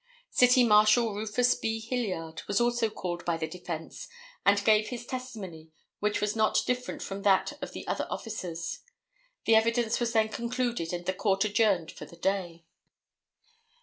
City Marshal Rufus B. Hilliard was also called by the defence and gave his testimony which was not different from that of the other officers. The evidence was then concluded and the court adjourned for the day.